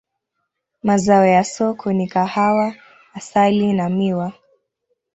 Mazao ya soko ni kahawa, asali na miwa.